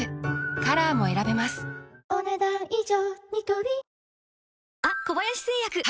カラーも選べますお、ねだん以上。